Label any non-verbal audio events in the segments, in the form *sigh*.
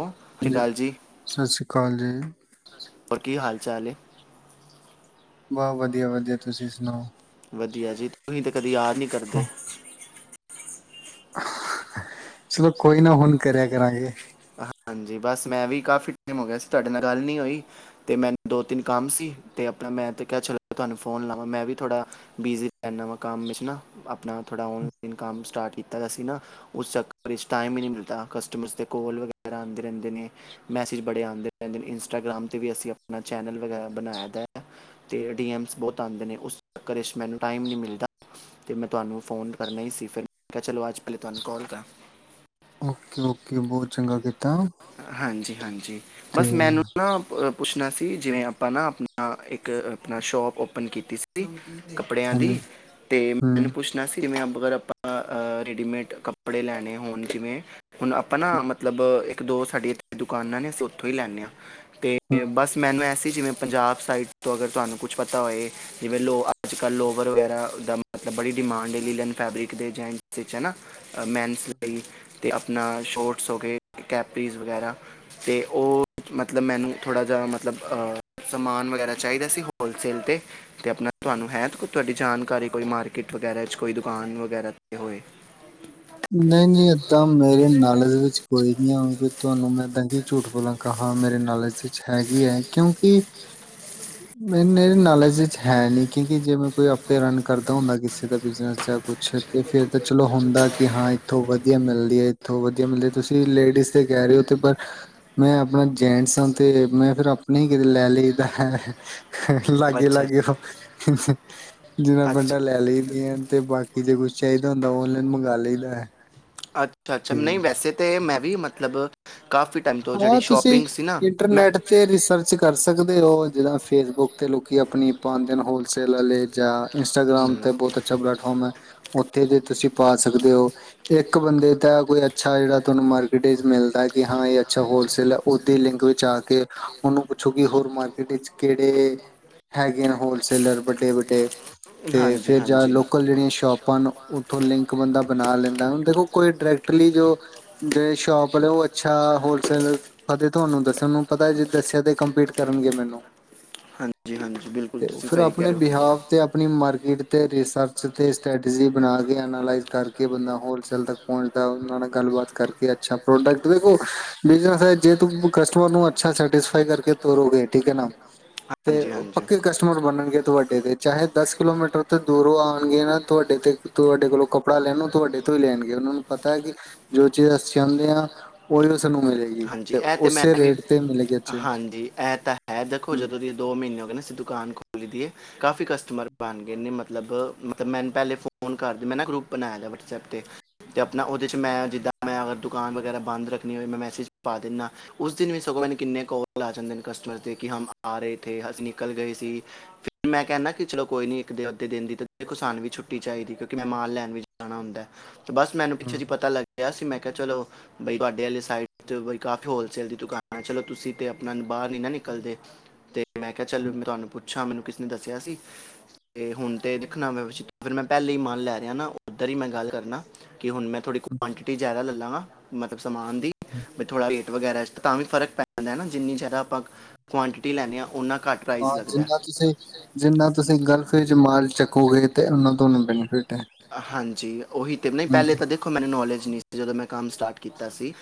ਸਤਿ ਸ਼੍ਰੀ ਹਾਂਜੀ, ਅਕਾਲ ਜੀ ਸਤਿ ਸ੍ਰੀ ਅਕਾਲ ਜੀ। ਹੋਰ ਕੀ ਹਾਲ ਚਾਲ ਹੈ ਬਹੁਤ ਵਧੀਆ, ਵਧੀਆ ਤੁਸੀਂ ਸੁਣਾਓ ਵਧੀਆ ਜੀ ਤੁਸੀਂ ਤਾਂ ਕਦੇ ਯਾਰ ਨਹੀ ਹਾਂ, ਕਰਦੇ। ਚਲੋ ਕੋਈ ਨਾ ਹੁਣ ਕਰਿਆ ਕਰਾਂਗੇ। ਹਾਂਜੀ ਬਸ ਮੈਂ ਵੀ ਕਾਫੀ ਟਾਈਮ ਹੋ ਗਿਆ ਸੀ, ਤੁਹਾਡੇ ਨਾਲ ਗੱਲ ਨੀ ਹੋਈ ਤੇ ਮੈਨੂੰ ਦੋ ਤਿੰਨ ਕੰਮ ਸੀ ਤੇ ਆਪਣਾ ਮੈਂ ਤੇ ਕਿਹਾ ਚਲੋ ਤੁਹਾਨੂੰ ਫੋਨ ਲਾਵਾਂ ਮੈਂ ਵੀ ਥੋੜਾ ਬਿਜ਼ੀ ਰਹਿੰਦਾ ਵਾ ਕੰਮ ਵਿੱਚ ਨਾ ਆਪਣਾ ਥੋੜਾ ਨਲਾਈਨ ਕੰਮ ਸਟਾਰਟ ਕੀਤਾ ਸੀ ਨਾ ਉਸ ਚੱਕਰ ਵਿੱਚ ਟਾਈਮ ਹੀ ਨਹੀਂ ਮਿਲਦਾ ਕਸਟਮਰ ਕੋਲ ਵਗ ਵਗੈਰਾ ਆਉਂਦੇ ਰਹਿੰਦੇ ਨੇ ਮੈਸੇਜ ਬੜੇ ਆਉਂਦੇ ਰਹਿੰਦੇ ਨੇ ਇੰਸਟਾਗ੍ਰਾਮ 'ਤੇ ਵੀ ਅਸੀਂ ਆਪਣਾ ਚੈਨਲ ਵਗੈਰਾ ਬਣਾਇਏ ਦਾ ਹੈ, ਅਤੇ ਡੀਐੱਮਸ ਬਹੁਤ ਆਉਂਦੇ ਨੇ ਉਸ ਕਰ ' ਮੈਨੂੰ ਟਾਈਮ ਨਹੀਂ ਮਿਲਦਾ ਅਤੇ ਮੈਂ ਤੁਹਾਨੂੰ ਫ਼ੋਨ ਕਰਨਾ ਹੀ ਸੀ ਫਿਰ ਮੈਂ ਕਿਹਾ ਚਲੋ ਅੱਜ ਪਹਿਲੇ ਤੁਹਾਨੂੰ ਕੋਲ ਕਰਾ। ਓਕੇ, ਓਕੇ ਬਹੁਤ ਚੰਗਾ ਕੀਤਾ ਹਾਂਜੀ, ਹਾਂਜੀ ਤੇ ਬਸ ਮੈਨੂੰ ਨਾ ਪੁੱਛਣਾ ਸੀ ਜਿਵੇਂ ਆਪਾਂ ਨਾ ਆਪਣਾ ਇੱਕ ਆਪਣਾ ਸ਼ੋਪ ਓਪਨ ਕੀਤੀ ਸੀ। ਕੱਪੜਿਆਂ ਹਾਂਜੀ ਦੀ ਤੇ ਮੈਨੂੰ ਹੂੰ। ਪੁੱਛਣਾ ਸੀ। ਜਿਵੇਂ ਅਗਰ ਆਪਾਂ ਰੇਡੀਮੇਡ ਕੱਪੜੇ ਲੈਣੇ ਹੋਣ ਜਿਵੇਂ। ਹੁਣ ਆਪਣਾ ਮਤ ਇੱਕ ਦੋ ਸਾਡੀਆਂ ਦੁਕਾਨਾਂ ਨੇ ਅਸੀਂ ਉੱਥੋਂ ਹੀ ਲੈਂਣੇ ਹਾਂ। ਤੇ ਬਸ ਮੈਨੂੰ ਐਸੇ ਜਿਵੇਂ ਪੰਜਾਬ ਸਾਈਡ ਤੋਂ ਅਗਰ ਤੁਹਾਨੂੰ ਕੁਛ ਪਤਾ ਹੋਏ ਜਿਵੇਂ ਲੋਗ ਅੱਜ ਕੱਲ੍ਹ ਲੋਵਰ ਵਗੈਰਾ ਦਾ ਮਤਲਬ ਬੜੀ ਡਿਮਾਂਡ ਹੈ, ਲੀਲਅਨ ਫੈਬਰਿਕ ਦੇ ਜੈਂਟਸ ਵਿੱਚ ਹੈ ਨਾ ਮੈਨਸ ਲਈ ਅਤੇ ਆਪਣਾ ਸ਼ੋਟ ਹੋ ਗਏ। ਕੈਪਰੀਜ਼ ਵਗੈਰਾ ਤੇ ਉਹ ਮਤਲਬ ਮੈਨੂੰ ਥੋੜ੍ਹਾ ਜਿਹਾ ਮਤਲਬ ਸਮਾਨ ਵਗੈਰਾ ਚਾਹੀਦਾ ਸੀ ਹੋਲਸੇਲ 'ਤੇ ਤੇ ਆਪਣਾ ਤੁਹਾਨੂੰ ਹੈ ਤੇ ਤੁਹਾਡੀ ਜਾਨ ਘਰ ਕੋਈ ਮਾਰਕੀਟ ਵਗੈਰਾ 'ਚ ਕੋਈ ਦੁਕਾਨ ਵਗੈਰਾ 'ਤੇ ਹੋਏ। ਨਹੀਂ, ਨਹੀਂ ਏਦਾਂ ਮੇਰੇ ਨਾਲੇ ਦੇ ਵਿੱਚ ਕੋਈ ਨੀ ਹੈ ਹੂਣ ਫਿਰ ਤੁਹਾਨੂੰ ਮੈਂ ਦਾਂ ਕੀ ਝੂਠ ਬੋਲਾਂ ਕਾਂ ਮੇਰੇ ਨੋਲਜ ਵਿਚ ਹੈਗੀ ਹੈ ਕਿਉਂਕਿ ਮੇਰੇ ਨੋਲਜ ਵਿਚ ਹੈ ਨੀ ਕਿਉਂਕਿ ਜੇ ਮੈਂ ਕੋਈ ਆਪੇ ਰਨ ਕਰਦਾ ਹੁੰਦਾ ਕਿਸੇ ਦਾ ਬਿਜਨਸ ਜਾਂ ਕੁਛ ਤੇ ਫਿਰ ਤੇ ਚਲੋ ਹੁੰਦਾ ਇਥੋਂ ਵਧੀਆ ਮਿਲਦੀ ਐ, ਇੱਥੋਂ ਵਧੀਆ ਮਿਲਦੇ ਤੁਸੀਂ ਲੇਡੀਜ਼ ਤੇ ਕਹਿ ਰਹੇ ਹੋ ਤੇ ਪਰ ਮੈਂ ਆਪਣਾ ਜੇਟਸ ਆਂ ਤੇ ਮੈਂ ਫਿਰ ਆਪਣੇ ਹੀ ਕਿਤੇ ਲੈ ਲਈਦਾ ਐ। *unintelligible* *unintelligible* ਲਾਗੇ ਅੱਛਾ ਲਾਗੇ ਹੋਂ *inaudible* ਜੀਨਾਂ ਅੱਛਾ ਪੇਂਟਾਂ ਲੈ ਲਈਦੀਆਂ ਅਨ ਤੇ ਬਾਕੀ ਜੇ ਕੁਛ ਚਾਈਦਾ ਹੁੰਦਾ ਔਨਲਾਈਨ ਮੰਗਾ ਲਈ ਦਾ *unintelligible* ਅੱ ਅੱਛਾ ਅੱਛਾ, ਨਈਂ ਵੈਸੇ ਤੇ ਮੈਂ ਵੀ ਮਤਲਬ। ਕਾਫੀ ਟਾਈਮ ਤੋਂ ਜਿਹੜੀ ਹਾਂ, ਤੁਸੀਂ ਸ਼ਾਪਿੰਗ ਸੀ ਨਾ ਮੈਂ ਇੰਟਰਨੈਟ ਤੇ ਰਿਸਰਚ ਕਰ ਸਕਦੇ ਹੋ, ਜਿੱੜਾ ਫੇਸਬੁੱਕ ਤੇ ਲੋਕੀ ਆਪਣੀ ਪਾਂਦੇ ਹੋਲਸੇਲ ਵਾਲੇ ਜਾਂ ਇੰਸਟਾਗ੍ਰਾਮ ਹਮ, ਤੇ ਬਹੁਤ ਅੱਛਾ ਪਲੇੈਟਫਾਰਮ ਐ, ਉੱਥੇ ਜੇ ਤੁਸੀਂ ਪ ਪਾ ਸਕਦੇ ਹੋ। ਇੱਕ ਬੰਦੇ ਦਾ ਕੋਈ ਅੱਛਾ ਜਿਹੜਾ ਤੁਹਾਨੂੰ ਮਾਰਕੀਟ ਰੇਟ ਮਿਲਦਾ ਕਿ ਹਾਂ ਇਹ ਅੱਛਾ ਹੋਲਸੇਲ ਹੈ ਓਦੇ ਲਿੰਕ ਵਿੱਚ ਆ ਕੇ ਉਹਨੂੰ ਪੁੱਛੋ ਕਿ ਹੋਰ ਮਾਰਕੀਟ ਵਿੱਚ ਕਿਹੜੇ ਹੈਗੇ ਨੇ ਹੋਲਸੇਲਰ ਵੱਡੇ-ਵੱਡੇ ਤੇ ਹਾਂਜੀ ਫਿਰ ਜਾਂ ਹਾਂਜੀ ਲੋਕਲ ਜਿਹੜੀਆਂ ਸ਼ੋਪਾਂ ਨੂੰ ਉੱਥੋਂ ਲਿੰਕ ਬੰਦਾ ਬਣਾ ਲੈਂਦਾ ਦੇਖੋ, ਕੋਈ ਡਾਇਰੈਕਟਲੀ ਜੋ ਜ ਸ਼ੋਪ ਉਹ ਅੱਛਾ ਹੋ ਕਦੇ ਤੁਹਾਨੂੰ ਦੱਸਣ ਨੂੰ ਪਤਾ ਜੇ ਦੱਸਿਆ ਤੇ ਕੰਪੀਟ ਕਰਨਗੇ ਮੈਨੂੰ ਹਾਂਜੀ ਹਾਂਜੀ ਬਿਲਕੁਲ ਤੇ ਤੁਸੀਂ ਫਿਰ ਸਹੀ ਕਹਿ ਆਪਣੇ ਰਹੇ ਹੋ ਬਿਹਾਵ ਤੇ ਆਪਣੀ ਮਾਰ ਰਿਸਰਚ ਤੇ ਸਟੈਟਜੀ ਬਣਾ ਕੇ ਐਨਾਲਾਈਜ਼ ਕਰਕੇ ਬੰਦਾ ਹੋਲਸੇਲ ਤੱਕ ਪਹੁੰਚਦਾ ਉਹਨਾਂ ਨਾਲ ਗੱਲਬਾਤ ਕਰਕੇ ਅੱਛਾ ਪ੍ਰੋਡਕਟ ਦੇਖੋ ਬਿਜਨਸ ਐ, ਜੇ ਤੂਸੀਂ ਕਸਟਮਰ ਨੂੰ ਅੱਛਾ ਸੈਟਿਸਫਾਈ ਕਰਕੇ ਤੋਰੋਗੇ ਠੀਕ ਹੈ ਨਾ ਤੇ ਹਾਂਜੀ ਉਹ ਹਾਂਜੀ ਪੱਕੇ ਕਸਟਮਰ ਬਣਨਗੇ ਤੁਹਾਡੇ ਦੇ ਚਾਹੇ ਦਸ ਕਿਲੋਮੀਟਰ ਤੇ ਦੂਰੋਂ ਆਉਣਗੇ, ਨਾ ਤੁਆਡੇ ਤੇ ਤੁਆਡੇ ਕੋਲੋਂ ਕੱਪੜਾ ਲੈਣ ਤੁਹਾਡੇ ਤੋਂ ਹੀ ਲੈਣਗੇ ਉਹਨਾਂ ਨੂੰ ਪਤਾ ਕਿ ਜੋ ਚੀਜ਼ ਅਸੀਂ ਚਾਹੁੰਦੇ ਹਾਂ ਉਹੀ ਨੂੰ ਮਿਲੇ। ਹਾਂਜੀ ਇਹ ਤੇ ਮੈਂ ਵੀ ਹੂੰ ਹਾਂਜੀ ਇਹ ਤਾਂ ਹੈ, ਦੇਖੋ ਹੂੰ ਜਦੋਂ ਦੀ ਦੋ ਮਹੀਨੇ ਹੋਗੇ ਨਾ ਅ ਦੁਕਾਨ ਖੋਲੀ ਦੀ ਐ ਕਾਫੀ ਕਸਟਮਰ ਬਣ ਗਏ, ਨੇ ਮਤਲਬ ਮਤਲਬ ਮੈਨੂੰ ਪਹਿਲੇ ਫੋਨ ਕਰਦੇ ਮੈਂ ਨਾ ਗਰੁੱਪ ਬਣਾਇਆ ਵਟਸਐਪ ਤੇ ਆਪਣਾ ਉਹਦੇ ਚ ਮੈਂ ਜਿੱਦਾਂ ਮੈਂ ਦੁਕਾਨ ਵਗੈਰਾ ਬੰਦ ਰੱਖਣੀ ਹੋਏ ਮੈਂ ਮੈਸੇਜ ਪਾ ਦਿੰਨਾ ਉਸ ਦਿਨ ਵੀ ਸਗੋਂ ਮੈਨੂੰ ਕਿੰਨੇ ਕਾਲ ਆ ਜਾਂਦੇ ਨੇ ਕਸਟਮਰ ਦੇ ਕਿ ਹਮ ਆ ਰਹੇ ਥੇ, ਅਸੀਂ ਨਿਕਲ ਗਏ ਸੀ ਫਿਰ ਮੈਂ ਕਹਿਣਾ ਕਿ ਚਲੋ ਕੋਈ ਨ ਇੱਕ ਅੱਧੇ ਦਿਨ ਦੀ ਸਾਨੂੰ ਵੀ ਛੁੱਟੀ ਚਾਈਦੀ ਕਿਉਂਕਿ ਮੈਂ ਮਾਲ ਲੈਣ ਵਿੱਚ ਜਾਣਾ ਹੁੰਦਾ। ਤੇ ਬਸ ਮੈਨੂੰ ਪਿੱਛੇ ਜੀ ਪਤਾ ਗਿਆ ਸੀ ਮੈਂ ਚਲੋ ਬਈ ਤੁਹਾਡੇ ਆਲੇ ਸਾਈਡ ਬ ਕਾਫ਼ੀ ਹੋਲਸੇਲ ਦੀ ਦੁਕਾਨ ਆ, ਚਲੋ ਤੁਸੀਂ ਤੇ ਆਪਣਾ ਬਾਹਰ ਨਈਂ ਨਾਂ ਨਿਕਲਦੇ ਤੇ ਮੈਂ ਕਿਹਾ ਚੱਲ ਹੂੰ ਮੈਂ ਤੁਹਾਨੂੰ ਪੁੱਛਾਂ ਮੈਨੂੰ ਕਿਸ ਨੇ ਦੱਸਿਆ ਸੀ। ਤੇ ਹੁਣ ਤੇ ਦੇਖਣਾ ਫਿਰ ਮੈਂ ਪਹਿਲੇ ਹੀ ਮਾਲ ਲੈ ਰਿਹਾ ਨਾ ਉੱਧਰ ਹੀ ਮੈਂ ਗੱਲ ਕਰਨਾ ਕਿ ਹੁਣ ਮੈਂ ਥੋੜ੍ਹੀ ਹੂੰ। ਕੁਆਂਟਿਟੀ ਜ਼ਿਆਦਾ ਲਲਾਂਗਾ ਮਤਲਬ ਸਮਾਨ ਦੀ। ਵੀ ਥੋੜ੍ਹਾ ਰੇਟ ਵਗੈਰਾ ਤਾਂ ਵੀ ਫ਼ਰਕ ਪੈ ਜਾਂਦਾ ਨਾ ਜਿੰਨੀ ਜ਼ਿਆਦਾ ਆਪਾਂ ਕੁਆਂਟਿਟੀ ਲੈਂਨੇ ਆ। ਉਨਾ ਘੱਟ ਹਾਂ, ਪ੍ਰਾਈਸ ਲੱਗਦਾ ਹੈ ਜਿੰਨਾ ਤੁਸੀਂ ਜਿੰਨਾ ਤੁਸੀਂ ਗਲਫ ਵਿੱਚ ਮਾਲ ਚੱਕੋਗੇ ਤੇ ਓਨਾਂ ਤੁਆਨੂੰ ਬੈਨੀਫਿਟ ਹੈ। ਹਾਂਜੀ ਹੂੰ ਨੀਂ ਜਦੋਂ ਮੈਂ ਕੰਮ ਸਟਾਟ ਕੀਤਾ ਸੀ।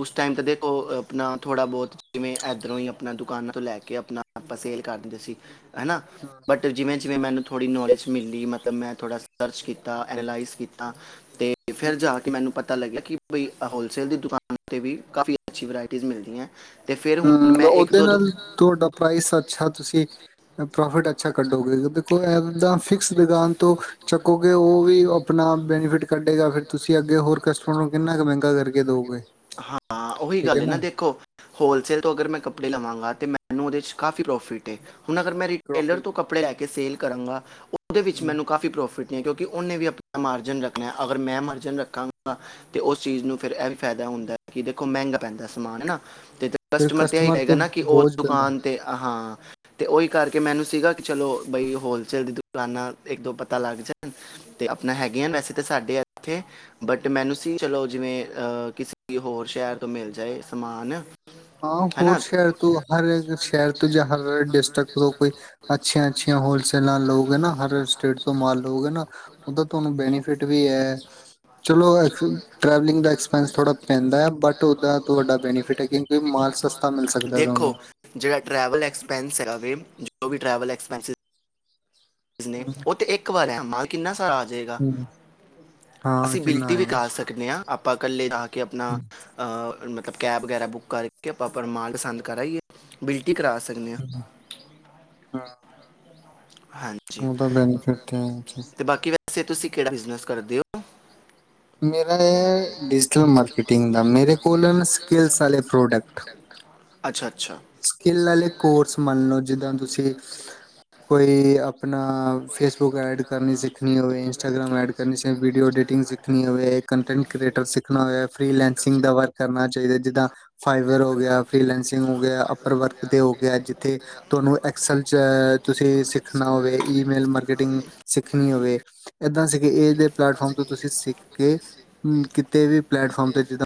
ਉਸ ਟਾਈਮ ਤਾਂ ਦੇਖੋ ਆਪਣਾ ਥੋੜ੍ਹਾ ਬਹੁਤ ਜਿਵੇਂ ਇੱਧਰੋਂ ਹੀ ਆਪਣਾ ਦੁਕਾਨਾਂ ਤੋਂ ਲੈ ਕੇ ਆਪਣਾ ਆਪਾਂ ਸੇਲ ਕਰ ਦਿੰਦੇ ਸੀ। ਹਨਾ ਹੂੰ ਬਟ ਜਿਵੇਂ, ਜਿਵੇਂ ਮੈਨੂੰ ਥੋੜ੍ਹੀ ਨੌਲੇਜ ਮਿਲੀ ਮਤਲਬ ਮੈਂ ਥੋੜ੍ਹਾ ਸਰਚ ਕੀਤਾ ਐਨਲਾਈਜ਼ ਕੀਤਾ। ਤੇ ਫਿਰ ਹੂੰ ਜਾ ਕੇ ਮੈਨੂੰ ਪਤਾ ਪਤਾ ਲੱਗਿਆ, ਕਿ ਬਈ ਹੋਲਸੇਲ ਦੀ ਦੁਕਾਨ। ਤੇ ਵੀ ਕਾਫੀ ਅੱਛੀ ਵਰਾਇਟੀਜ਼ ਮਿਲਦੀਆਂ। ਤੇ ਫਿਰ ਹੁਣ ਹੂੰ ਮੈਂ ਇੱਕ ਉਹਦੇ ਦੋ ਦੁ- ਨਾਲ ਤੁਹਾਡਾ ਪ੍ਰਾਈਜ਼ ਅੱਛਾ ਤੁਸੀਂ, ਪ੍ਰੋਫਿਟ, ਅੱਛਾ ਕੱਢੋਗੇ ਦੇਖੋ ਇਹ, ਦਾ ਫਿਰ, ਦੁਕਾਨ ਤੋਂ ਚੱਕੋਗੇ ਉਹ ਵੀ ਆਪਣਾ ਬੈਨੀਫਿਟ ਕੱਢੇਗਾ ਫਿਰ ਤੁਸੀਂ ਅੱਗੇ ਹੋਰ ਕਸਟਮਰ ਨੂੰ ਕਿੰਨਾ ਕੁ ਮਹਿੰਗਾ ਕਰਕੇ ਦੋਗੇ *unintelligible* ਹਾਂ ਉਹੀ ਗੱਲ ਹੈ ਨਾ ਦੇਖੋ। ਹੋਲਸੇਲ ਤੋਂ ਅਗਰ ਮੈਂ ਕੱਪੜੇ ਲਵਾਂਗਾ ਅਤੇ ਮੈਨੂੰ ਉਹਦੇ ਚ ਕਾਫੀ ਪ੍ਰੋਫਿਟ ਐ। ਹੁਣ ਅਗਰ ਮੈਂ ਰਿਟੇਲਰ ਪ੍ਰੋਫਿਟ ਤੋਂ ਕੱਪੜੇ ਲੈ ਕੇ ਸੇਲ ਕਰਾਂਗਾ, ਉਹਦੇ ਵਿੱਚ ਹੂੰ, ਮੈਨੂੰ ਕਾਫੀ ਪ੍ਰੋਫਿਟ ਕਿਉਂਕਿ ਕਿ ਉਹਨੇ ਵੀ ਆਪਣਾ ਮਾਰਜਨ ਰੱਖ ਮੈਂ, ਅਗਰ ਮੈਂ ਮਾਰਜਨ ਰੱਖਾਂਗਾ ਤਾਂ ਉਸ ਚੀਜ਼ ਨੂੰ ਫਿਰ ਇਹ ਵੀ ਫਾਇਦਾ ਹੁੰਦਾ ਕਿ ਦੇਖੋ ਮਹਿੰਗਾ ਪੈਂਦਾ ਸਮਾਨ। ਹੈਨਾ? ਅਤੇ ਫਿਰ ਕਸਟਮਰ ਤਾਂ ਇਹੀ ਕਹੇਗਾ ਤੇ ਨਾ ਕਿ ਉਹ ਬੋਝ ਪੈਂਦਾ ਦੁਕਾਨ 'ਤੇ ਹਾਂ ਤੇ ਉਹੀ ਕਰਕੇ ਮੈਨੂੰ ਸੀਗਾ ਕਿ ਚਲੋ ਬਈ ਹੋਲਸੇਲ ਦੀ ਦੁਕਾਨਾਂ ਇੱਕ ਦੋ ਪਤਾ ਲੱਗ ਜਾਣ ਤੇ ਆਪਣਾ ਹੈਗੀਆਂ ਵੈਸੇ ਅਤੇ ਸਾਡੇ ਇੱਥੇ ਬਟ ਮੈਨੂੰ ਸੀ ਚਲੋ, ਜਿਵੇਂ ਕਿਸੇ ਹੋਰ ਸ਼ਹਿਰ ਤੋਂ ਮਿਲ ਜਾਏ ਸਮਾਨ। ਹਾਂ ਹੋਰ ਹਨਾ ਸ਼ਹਿਰ ਤੋਂ, ਹਰ ਸ਼ਹਿਰ ਤੋਂ ਜਾਂ ਹਰ ਡਿਸਟ੍ਰਿਕਟ ਤੋਂ ਕੋਈ ਅੱਛੀਆਂ-ਅੱਛੀਆਂ ਹੋਲਸੇਲਾਂ ਲੋਗੇ ਨਾ, ਹਰ ਸਟੇਟ ਤੋਂ ਮਾਲ ਲੋਗੇ ਹੈ ਨਾ ਉਹਦਾ ਤੁਹਾਨੂੰ ਬੈਨੀਫਿ ਫਿੱਟ ਵੀ ਹੈ। ਚਲੋ ਇਸ ਟਰੈਵਲਿੰਗ ਦਾ ਐਕਸਪੈਂਸ ਥੋੜ੍ਹਾ ਪੈਂਦਾ ਹੈ ਬਟ ਉਹਦਾ ਤੁਹਾਡਾ ਬੈਨੀਫਿਟ ਹੈ ਕਿ ਦੇਖੋ, ਜਿਹੜਾ ਟਰੈਵਲ ਐਕਸਪੈਂਸ ਹੈਗਾ ਵੇ ਜੋ ਵੀ ਟਰੈਵਲ ਐਕਸਪੈਂਸਿਸ ਨੇ ਹਮ, ਉਹ ਤੇ ਇੱਕ ਵਾਰ ਐ। ਮਾਲ ਕਿੰਨਾ ਸਾਰਾ ਆ ਜੇਗਾ। ਹਮ, ਹਾਂ ਅਸੀਂ ਕਿੰਨਾ ਬਿਲਟੀ ਵੀ ਆਏਗਾ ਕਰ ਸਕਦੇ ਹਾਂ। ਆਪਾਂ ਇਕੱਲੇ ਜਾ ਕੇ ਆਪਣਾ। ਅਹ, ਮਤਲਬ ਮਤਲਬ, ਕੈਬ ਵਗੈਰਾ ਬੁੱਕ ਕਰਕੇ, ਆਪਾ ਪਰ ਮਾਲ ਪਸੰਦ ਕਰ ਆਈਏ। ਬਿਲ ਟੀ ਕਰਾ ਸਕਦੇ ਹਾਂ। ਹਮ, ਹਾਂ ਹਾਂਜੀ, ਉਹਦਾ ਬੈਨੀਫਿਟ ਹੈ ਤੇ ਬਾਕੀ ਵੈਸੇ ਤੁਸੀਂ ਕਿਹੜਾ ਬਿਜਨਸ ਕਰਦੇ ਹੋ? ਮੇਰਾ ਇਹ ਡਿਜੀਟਲ ਮਾਰਕੀਟਿੰਗ ਦਾ। ਮੇਰੇ ਕੋਲ ਆ ਸਕਿੱਲਸ ਵਾਲੇ ਪ੍ਰੋਡਕਟ। ਅੱਛਾ ਅੱਛਾ ਸਕਿੱਲ ਆਲੇ ਕੋਰਸ, ਮੰਨ ਲਓ ਜਿੱਦਾਂ ਤੁਸੀਂ ਕੋਈ ਆਪਣਾ, ਫੇਸਬੁੱਕ ਐਡ ਕਰਨੀ ਸਿੱਖਣੀ ਹੋਵੇ। ਇੰਸਟਾਗ੍ਰਾਮ ਐਡ ਕਰਨੀ ਸਿੱਖ, ਵੀਡੀਓ ਐਡੀਿਟਿੰਗ ਸਿੱਖ ਕਰਨੀ ਹੋਵੇ। ਕੰਟੈਂਟ ਕ੍ਰਿਏਟਰ ਸਿੱਖਣਾ ਹੋਇਆ। ਫ੍ਰੀਲੈਂਸਿੰਗ ਦਾ ਵਰਕ ਕਰਨਾ ਚਾਹੀਦਾ। ਜਿੱਦਾਂ ਫਾਈਬਰ ਹੋ ਗਿਆ, ਫੀਲੈਂਸਿੰਗ ਹੋ ਗਿਆ। ਅਪਰ ਵਰਕ ਤੇ ਹੋ ਗਿਆ। ਜਿਥੇ ਤੁਹਾਨੂੰ ਐਕਸਲ ਚ, ਤੁਸੀਂ ਸਿੱਖਣਾ ਹੋਵੇ ਈਮੇਲ ਮਾਰਕੀਟਿੰਗ ਸਿੱਖਣੀ ਹੋਵੇ। ਏਦਾਂ ਸੀ ਕਿ ਇਹਦੇ ਪਲੇੈਫਾਰਮ ਤੋਂ ਤੁਸੀਂ ਸਿੱ ਕੇ ਕਿਤੇ ਵੀ ਪਲੇੈਟਫਾਰਮ ਤੇ ਜਿਦਾ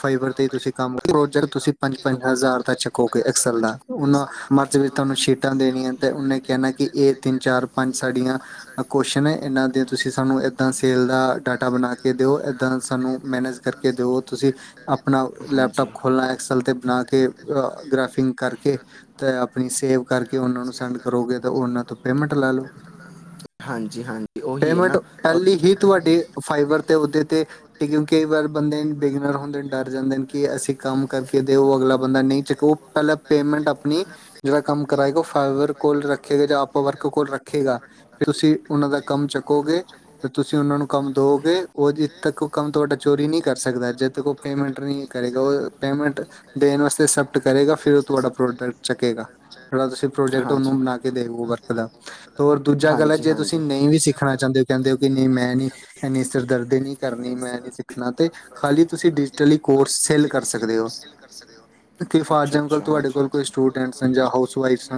ਫਾਈਬਰ ਤੇ ਤੁਸੀਂ ਕੰਮ, ਓ ਜਿਹੜਾ ਤੁਸੀਂ ਪੰਜ-ਪੰਜ ਹਜ਼ਾਰ ਦਾ ਚਕੋਗੇ ਐਕਸਲ ਦਾ। ਉਨ੍ਹਾਂ ਮਰਜੀ ਦੀਆਂ ਤੁਹਾਨੂੰ ਸ਼ੀਟਾਂ ਦੇਣੀਆਂ ਤੇ ਉਹਨੇ ਕਹਿਣਾ ਕਿ ਇਹ ਤਿੰਨ-ਚਾਰ ਪੰਜ ਸਾਡੀਆਂ ਆ ਕੌਸ਼ਚਨ ਏ। ਇਹਨਾਂ ਦੇ ਤੁਸੀਂ ਸਾਨੂੰ ਏਦਾਂ ਸੇਲ ਦਾ ਡਾਟਾ ਬਣਾ ਕੇ ਦਿਓ। ਇੱਦਾਂ ਸਾਨੂੰ ਮੈਨੇਜ ਕਰਕੇ ਦਿਓ। ਤੂੰ ਤੁਸੀਂ ਆਪਣਾ ਲੈਪਟੋਪ ਹਾਂਜੀ ਖੋਲਣਾ ਐਕਸਲ 'ਤੇ ਬਣਾ ਕੇ, ਗ੍ਰਫਿੰਗ ਕਰਕੇ ਤੇ ਆਪਣੀ ਸੇਵ ਕਰਕੇ, ਉਹਨਾਂ ਨੂੰ ਸੈਂਡ ਕਰੋਗੇ ਤੇ ਉਹਨਾਂ ਤੋਂ ਪੇਮੈਂਟ ਲੈ ਲਓ। ਹਾਂਜੀ ਹਾਂਜੀ ਉਹੀ ਹੈ ਪੇਮੈਂਟ, ਨਾ ਉਹ- ਪਹਿਲੀ ਹੀ ਤੁਹਾਡੀ ਫਾਈਬਰ ਤੇ ਉਹਦੇ ਤੇ ਕਿਉਂਕਿ ਕਈ ਵਾਰ ਬੰਦੇ ਨੇ ਬਿਗਨਰ ਹੁੰਦੇ ਡਰ ਜਾਂਦੇ ਨੇ, ਕਿ ਅਸੀਂ ਕੰਮ ਕਰਕੇ ਦਿਓ ਅਗਲਾ ਬੰਦਾ ਨਹੀਂ ਚੱਕੋ, ਪਹਿਲਾਂ ਪੇਮੈਂਟ ਆਪਣੀ ਜਿਹੜਾ ਕੰਮ ਕਰਾਂਏਗਾ, ਉਹ ਫਵਰ ਕੋਲ ਰੱਖੇਗਾ ਜਾਂ ਅਪ ਵਰਕ ਕੋਲ ਰੱਖੇਗਾ ਫੇਰ, ਤੁਸੀਂ ਉਹਨਾਂ ਦਾ ਕੰਮ ਚੁੱਕੋਗੇ ਤੇ ਤੁਸੀਂ ਉਹਨਾਂ ਨੂੰ ਕੰਮ ਦੋਗੇ ਉਦੇ ਤੱਕ ਕੰਮ ਤੁਹਾਡਾ ਚੋਰੀ ਨੀ ਕਰ ਸਕਦਾ, ਜਦ ਤੱਕ ਉਹ ਪੇਮੈਂਟ ਨਹੀਂ ਕਰੇਗਾ। ਉਹ ਪੇਮੈਂਟ ਦੇਣ ਵਾਸਤੇ ਅਕਸੈਪਟ ਕਰੇਗਾ ਫਿਰ ਉਹ ਤੁਹਾਡਾ ਪ੍ਰੋਡਕਟ ਚੱਕੇਗਾ ਜਿਹੜਾ ਤੁਸੀਂ ਪ੍ਰੋਜੈਕਟ ਹਾਂਜੀ ਉਹਨੂੰ ਬਣਾ ਕੇ ਦੇੋ ਵਰਕ ਦਾ, ਔਰ ਦੂਜਾ ਗੱਲ ਆ, ਹਾਂਜੀ ਜੇ ਤੁਸੀਂ ਹਾਂਜੀ ਨਹੀਂ ਵੀ ਸਿੱਖਣਾ ਚਾਹੁੰਦੇ ਕਹਿੰਦੇ ਹੋ ਕਿ ਨਹੀਂ ਮੈਂ ਨੀ ਇਨੀ ਸਿਰ ਦਰਦੀ ਨਹੀਂ ਕਰਨੀ, ਮੈਂ ਨਹੀਂ ਸਿੱਖਣਾ ਤੇ ਖਾਲੀ ਤੁਸੀਂ ਡਿਜੀਟਲੀ ਕੋਰਸ ਸੇਲ ਕਰ ਸਕਦੇ ਹੋ। ਕਿ ਫਾਰ ਅੱਛਾ ਇਗਜਾਮਪਲ, ਅੱਛਾ ਤੁਹਾਡੇ ਹਾਂਜੀ ਕੋਲ ਕੋਈ ਸਟੂਡੈਂਟ ਜਾਂ ਹਾਊਸ ਵਾਈਫਸ,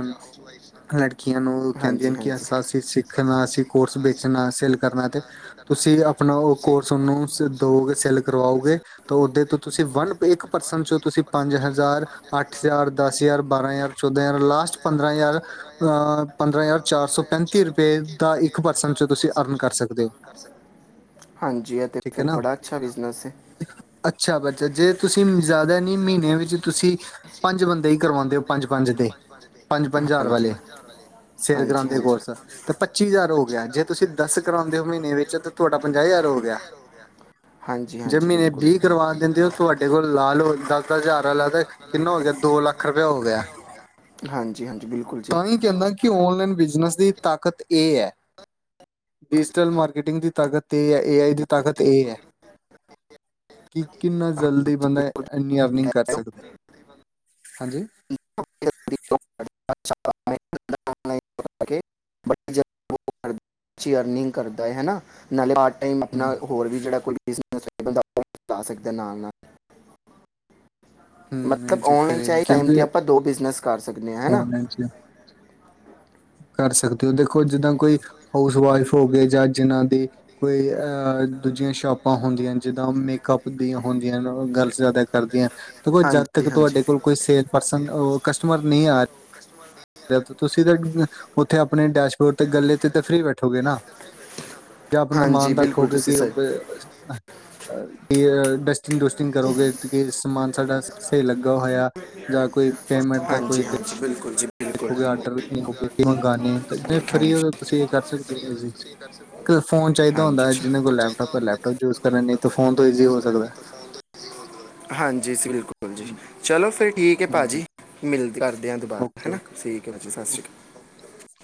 ਲੜਕੀਆਂ ਨੂੰ ਕਹਿੰਦੀ ਹਾਂਜੀ ਹਨ ਕਿ ਅਸਾ ਅਸੀਂ ਸਿੱਖਣਾ ਅਸੀਂ ਕੋਰਸ ਵੇਚਣਾ ਸੇਲ ਕਰਨਾ ਤੇ ਤੁਸੀਂ ਆਪਣਾ ਉਹ ਕੋਰਸ ਉਹਨੂੰ ਦਵੋਗੇ, ਸੇਲ ਕਰਵਾਓਗੇ ਤੇ ਓਦੇ ਤੋਂ ਤੁਸੀਂ ਵਨ ਇੱਕ ਪਰਸਨ ਚੋ ਤੁਸੀਂ ਪੰਜ ਹਜ਼ਾਰਾਂ ਪੰਜ ਹਜ਼ਾਰ, ਅੱਠ ਹਜ਼ਾਰ, ਚੌਦਾਂ ਬਾਰਾਂ ਹਜ਼ਾਰ, ਲਾਸਟ ਹਜ਼ਾਰ ਪੰਦਰਾਂ ਲਾਸਟ ਪੰਦਰਾਂ ਹਜ਼ਾਰ ਅ ਹਜ਼ਾਰ ਚਾਰ ਸੌ ਪੰਦਰਾਂ ਹਜ਼ਾਰ ਪੈਂਤੀ ਚਾਰ ਸੋ ਰੁਪਏ ਪੈਂਤੀ ਦਾ ਰੁਪਏ ਇੱਕ ਪਰਸਨ ਦਾ ਚੋਂ ਇੱਕ ਤੁਸੀਂ ਪਰਸਨ ਅਰਨ ਵਿੱਚ, ਕਰ ਤੁਸੀਂ ਸਕਦੇ ਹੋ। ਅਰਨ ਕਰ ਸਕਦੇ ਹੋ। ਠੀਕ ਆ ਨਾ, ਬਿਜ਼ਨਸ ਹੈ ਅੱਛਾ ਬਚਾ ਜੇ ਤੁਸੀਂ ਜ਼ਿਆਦਾ ਨੀ ਮਹੀਨੇ ਵਿੱਚ ਤੁਸੀਂ ਪੰਜ ਬੰਦੇ ਹੀ ਕਰਵਾਉਂਦੇ ਹੋ, ਪੰਜ ਪੰਜ ਦੇ ਪੰਜ ਪੰਜ ਹਜ਼ਾਰ ਵਾਲੇ ਸੇਲ ਹਾਂਜੀ ਕਰਾਉਂਦੇ ਕੋਰਸ ਤੇ ਪੱਚੀ ਹਜ਼ਾਰ ਹੋ ਗਿਆ, ਜੇ ਤੁਸੀਂ ਦੱਸ ਕਰਾਉਂਦੇ ਹੋ ਮਹੀਨੇ ਵਿੱਚ ਤੁਹਾਡਾ ਪੰਜਾਹ ਹਜ਼ਾਰ ਹੋ ਗਿਆ, ਹਾਂਜੀ ਜੇ ਹਾਂਜੀ ਮਹੀਨੇ ਬਿਲਕੁਲ ਵੀਹ ਕਰਵਾ ਦਿੰਦੇ ਉਹ ਤੁਹਾਡੇ ਕੋਲ ਲਾਲ ਹੋ ਗਿਆ ਦੋ ਲੱਖ ਰੁਪਇਆ ਹੋ ਗਿਆ ਹਾਂਜੀ ਹਾਂਜੀ ਬਿਲਕੁਲ ਜੀ। ਤਾਂ ਹੀ ਕਹਿੰਦਾ ਕਿ ਔਨਲਾਈਨ ਬਿਜ਼ਨਸ ਦੀ ਤਾਕਤ ਇਹ ਹੈ। ਡਿਜੀਟਲ ਮਾਰਕ ਕਟਿੰਗ ਦੀ ਤਾਕਤ ਤੇ ਏਆਈ ਦੀ ਤ ਹਾਂ, ਤਾਕਤ ਬਿਲਕੁਲ ਇਹ ਆ, ਕਿ ਕਿੰਨਾ ਜਲਦੀ ਬੰਦਾ ਠੀਕ ਐਨੀ ਅਰਨਿੰਗ ਕਹਿ ਕਰ ਰਹੇ ਹੋ ਸਕਦੇ ਹਾਂਜੀ। *unintelligible* ਅਰਨਿੰਗ ਕਰਦਾ ਹੈ ਨਾਲੇ *unintelligible* ਟੈਮ ਹੂੰ ਨਾਲ ਹੋਰ ਵੀ ਜਿਹੜਾ ਕੋਈ ਬ ਵਧਾ ਸਕਦੇ ਨਾਲ- ਨਾਲ ਹੂੰ ਇਹ ਮਤਲਬ ਚੱਕਰ ਔਨਲਾਈਨ ਚ ਹੈ ਇਕ ਟੈਮ ਕਿਉਂਕਿ ਆਪਾਂ ਦੋ ਬਿਜ਼ਨਸ ਕਰ ਸਕਦੇ ਹਾਂ ਹੈਨਾ। ਔਨਲਾਈਨ ਚ *unintelligible* ਕਰ ਸਕਦੇ ਹੋ ਦੇਖੋ, ਜਿੱਦਾਂ ਕੋਈ ਹਾਊਸ ਵਾਈਫ ਹੋ ਗਏ ਜਾਂ ਜਿਨਾਂ ਦੀ ਕੋਈ ਆ ਦੂਜੀਆਂ ਸ਼ੋਪਾਂ ਹੁੰਦੀਆਂ ਨੇ, ਜਿੱਦਾਂ ਮੇਕਅਪ ਦੀਆਂ ਹੁੰਦੀਆਂ ਨੇ ਗਰਲਸ ਜ਼ਿਆਦਾ ਕਰਦੀਆਂ ਨੇ ਦੇਖੋ ਜਦ ਤੱਕ ਹਾਂਜੀ ਹਾਂਜੀ ਤੁਹਾਡੇ ਕੋਲ ਕੋਈ ਸੇਲ ਪਰਸਨ ਆਹ ਕਸਟਮਰ ਨਹੀਂ ਆ ਰਿਹ ਜਦ ਤੁਸੀਂ ਤਾਂ ਉੱਥੇ ਆਪਣੇ ਡੈਸ਼ਬੋਰਡ ਤੇ ਗੱਲੇ ਤੇ ਤਾਂ ਫਰੀ ਬੈਠੋਗੇ ਨਾ। ਜਾਂ ਆਪਣਾ ਮਾਣ ਹਾਂਜੀ ਬਿਲਕੁਲ ਦਾਖੋਗੇ ਤੁਸੀਂ ਕਿ ਆ ਸਹੀ ਕੇ ਡਸ ਡਸਟਿੰਗ ਡੁਸਟਿੰਗ ਕਰੋਗੇ ਤੁਸੀ ਸਮਾਨ ਸਾਡਾ ਸਹੀ ਲੱਗਾ ਹੋਇਆ। ਜਾਂ ਕੋਈ ਪੇਮੈਂਟ ਦਾ ਕੋਈ। ਹਾਂਜੀ ਹਾਂਜੀ ਬਿਲਕੁਲ ਜੀ ਬਿਲਕੁਲ ਦੇਖੋ ਆਡਰ ਮੰਗਵਾਨੇ ਜੇ ਫਰੀ ਹਾਂਜੀ ਹੋ ਤੁਸੀ ਇਹ ਕਰ ਸਕਦੇ ਹੋ, ਇੱਕ ਫੋਨ ਚਾਹੀਦਾ ਹਾਂਜੀ ਹੁੰਦਾ ਅੱਛਾ। ਜਿਨਾ ਕੋਲ ਲੈਪਟੋਪ ਲੈਪਟੋਪ ਯੂਜ। ਨਹੀਂ ਤੋ ਫੋਨ ਤੋਂ ਈਜ਼ੀ ਹੋ ਸਕਦਾ ਹੈ। ਹਾਂਜੀ ਬਿਲਕੁਲ ਜੀ ਚਲੋ ਫਿਰ ਠੀਕ ਹੈ, ਭਾਜੀ ਮਿਲ ਕਰ। ਛੁੱਟਿਆਂ ਤੋਂ ਬਾਅਦ ਓਕੇ ਹਨਾ ਓਕੇ ਠੀਕ ਹੈ, ਵੀਰ ਸਤਿ ਓਕੇ ਸ੍ਰੀ ਅਕਾਲ।